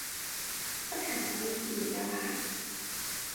得閒可以研究下